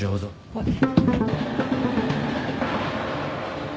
はい。